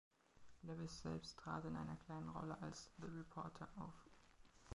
Lewis selbst trat in einer kleinen Rolle als „The Reporter“ auf.